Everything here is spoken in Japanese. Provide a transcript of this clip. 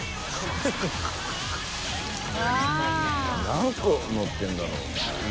何個のってるんだろう。